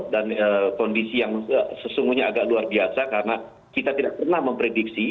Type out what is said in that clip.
dan kondisi yang sesungguhnya agak luar biasa karena kita tidak pernah memprediksi